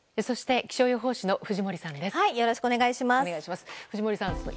そして気象予報士の藤森さん